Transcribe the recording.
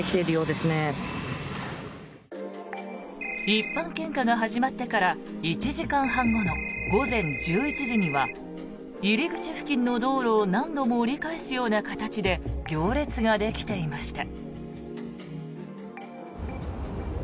一般献花が始まってから１時間半後の午前１１時には入り口付近の道路を何度も折り返すような形で行列ができていました。